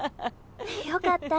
良かった。